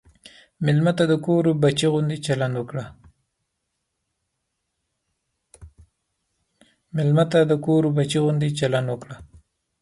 مېلمه ته د کور بچی غوندې چلند وکړه.